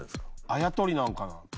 あやとりなんかな？